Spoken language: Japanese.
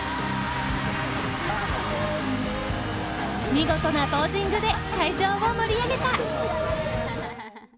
見事なポージングで会場を盛り上げた。